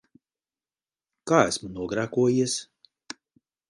Kā esmu nogrēkojies?